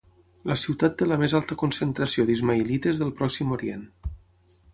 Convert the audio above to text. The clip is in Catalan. La ciutat té la més alta concentració d'ismaïlites del Pròxim Orient.